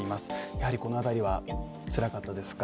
やはりこの辺りはつらかったですか。